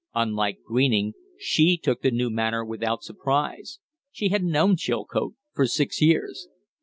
Unlike Greening, she took the new manner without surprise. She had known Chilcote for six years.